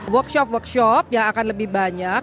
workshop workshop yang akan lebih banyak